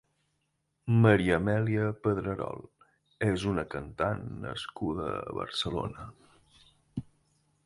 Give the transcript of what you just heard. Maria Amèlia Pedrerol és una cantant nascuda a Barcelona.